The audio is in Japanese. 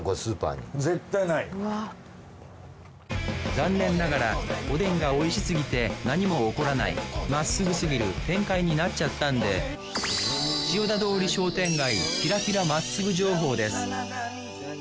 残念ながらおでんが美味しすぎて何も起こらないまっすぐすぎる展開になっちゃったんで千代田通り商店街キラキラまっすぐ情報です。